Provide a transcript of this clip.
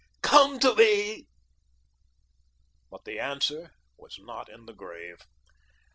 Come to me." But the Answer was not in the Grave.